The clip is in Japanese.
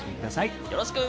よろしく！